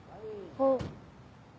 あっ。